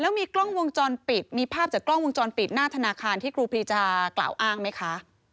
แล้วมีกล้องวงจรปิดมีภาพจากกล้องวงจรปิดหน้าธนาคารที่ครูปรีชากล่าวอ้างไหมคะ